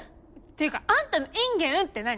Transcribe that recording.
っていうかあんたの「インゲン」って何？